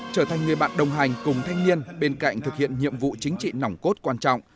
trở thành người bạn đồng hành cùng thanh niên bên cạnh thực hiện nhiệm vụ chính trị nỏng cốt quan trọng